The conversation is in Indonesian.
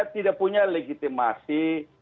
tidak punya legitimasi